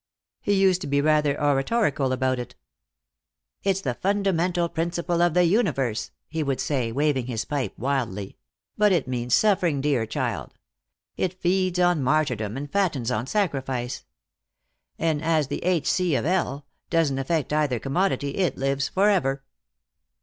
He used to be rather oratorical about it. "It's the fundamental principle of the universe," he would say, waving his pipe wildly. "But it means suffering, dear child. It feeds on martyrdom and fattens on sacrifice. And as the h.c. of l. doesn't affect either commodity, it lives forever."